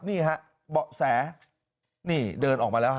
นี่ฮะเบาะแสนี่เดินออกมาแล้วฮ